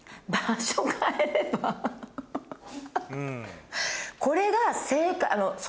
ハハハハ。